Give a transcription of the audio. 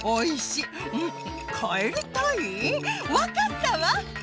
わかったわ！